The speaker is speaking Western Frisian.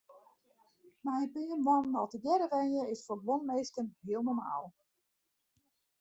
Nei in pear moannen al tegearre wenje is foar guon minsken hiel normaal.